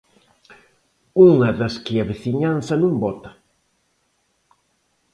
Unha das que a veciñanza non vota.